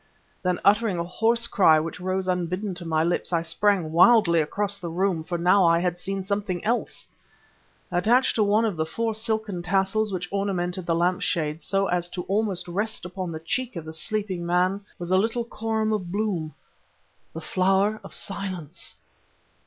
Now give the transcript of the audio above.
Then, uttering a horse cry which rose unbidden to my lips, I sprang wildly across the room ... for now I had seen something else! Attached to one of the four silken tassels which ornamented the lamp shade, so as almost to rest upon the cheek of the sleeping man, was a little corymb of bloom ... the _Flower of Silence!